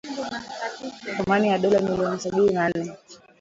thamani ya dola milioni sabini na nne